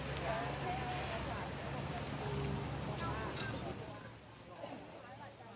สวัสดีสวัสดี